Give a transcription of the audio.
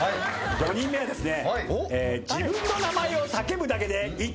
５人目はですね